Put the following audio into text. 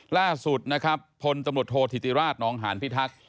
ล่าสุดนะครับพลตำรวจโทษธิติราชนองหานพิทักษ์